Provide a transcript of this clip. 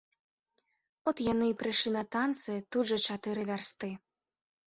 От яны і прыйшлі на танцы, тут жа чатыры вярсты.